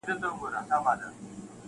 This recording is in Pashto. ما خالي انګړ ته وکړل له ناکامه سلامونه-